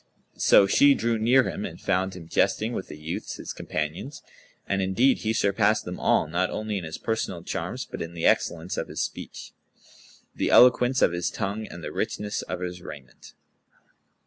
So she drew near him and found him jesting with the youths his companions; and indeed he surpassed them all, not only in his personal charms but in the excellence of his speech, the eloquence of his tongue and the richness of his raiment.